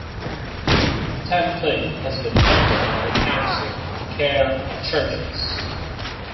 Stancliffe has been a member of the Council for the Care of Churches.